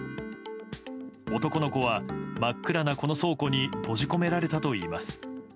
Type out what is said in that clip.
男の子は真っ暗なこの倉庫に閉じ込められたといいます。